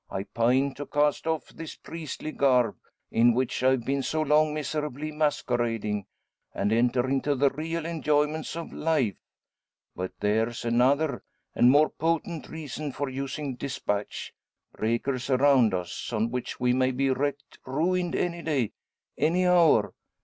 I pine to cast off this priestly garb in which I've been so long miserably masquerading and enter into the real enjoyments of life. But there's another, and more potent reason, for using despatch; breakers around us, on which we may be wrecked, ruined any day any hour.